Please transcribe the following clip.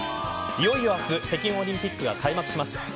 いよいよ明日北京オリンピックが開幕します。